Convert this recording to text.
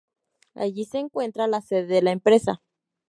Allí se encuentra la sede de la empresa.